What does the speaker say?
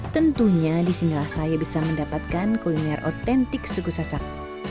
tentunya disinilah saya bisa mendapatkan kuliner otentik suku sasak